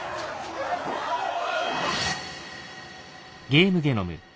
「ゲームゲノム」。